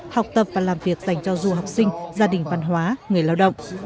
học tập và làm việc dành cho du học sinh gia đình văn hóa người lao động